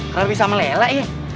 kalau bisa sama lela ya